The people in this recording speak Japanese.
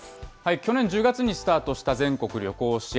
去年１０月にスタートした全国旅行支援。